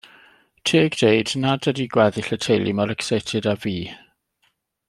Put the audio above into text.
Teg deud nad ydi gweddill y teulu mor ecseited â fi.